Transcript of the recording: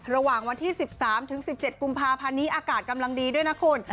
ระหว่างวันที่๑๓๑๗กุมภาพันธ์นี้อากาศกำลังดีด้วยนะคุณ